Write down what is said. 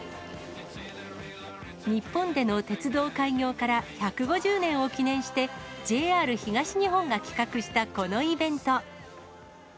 日本での鉄道開業から１５０年を記念して、ＪＲ東日本が企画したこのイベント。